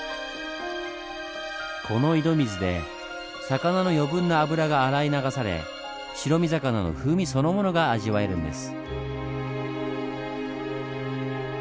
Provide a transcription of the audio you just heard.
この井戸水で魚の余分な脂が洗い流され白身魚の風味そのものが味わえるんです。